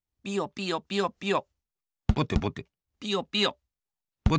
ピヨピヨピヨ。